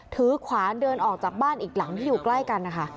ขวานเดินออกจากบ้านอีกหลังที่อยู่ใกล้กันนะคะ